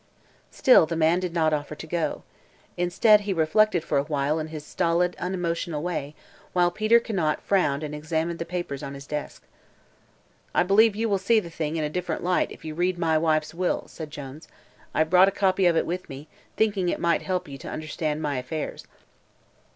Still the man did not offer to go. Instead, he reflected for awhile in his stolid, unemotional way, while Peter Conant frowned and examined the papers on his desk. "I believe you'll see the thing in a different light if you read my wife's will," said Jones. "I've brought a copy of it with me, thinking it might help you to understand my affairs."